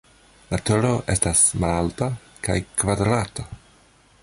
La turo estas malalta kaj kvadrata.